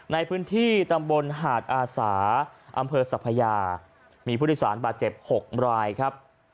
ในพื้นที่ตำบลหาดอาสาอำเภอสัพยามีผู้โดยสารบาดเจ็บ๖รายครับ